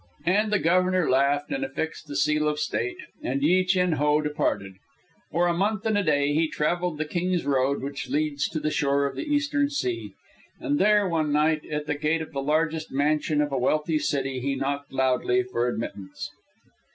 And the Governor laughed and affixed the seal of State, and Yi Chin Ho departed. For a month and a day he travelled the King's Road which leads to the shore of the Eastern Sea; and there, one night, at the gate of the largest mansion of a wealthy city he knocked loudly for admittance.